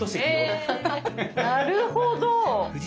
なるほど！